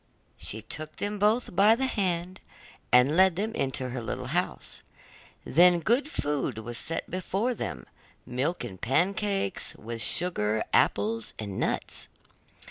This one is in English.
She took them both by the hand, and led them into her little house. Then good food was set before them, milk and pancakes, with sugar, apples, and nuts.